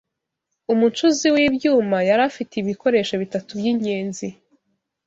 Umucuzi w’ibyuma yari afite ibikoresho bitatu by’ingenzi: